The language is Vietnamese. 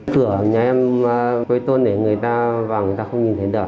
cửa nhà em với tôn để người ta vào người ta không nhìn thấy được